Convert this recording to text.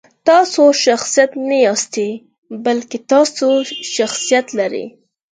تاسو شخصیت نه یاستئ، بلکې تاسو شخصیت لرئ.